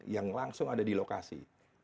yang langsung ada di lokasi